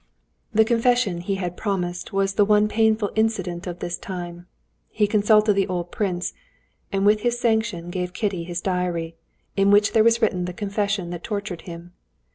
The confession he had promised was the one painful incident of this time. He consulted the old prince, and with his sanction gave Kitty his diary, in which there was written the confession that tortured him.